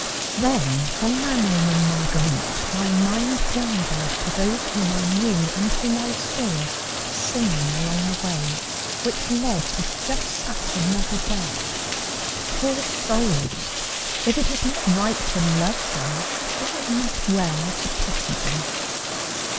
Then from Manon and Marguerite my mind wandered to those whom I knew, and whom I saw singing along the way which led to just such another death. Poor souls! if it is not right to love them, is it not well to pity them?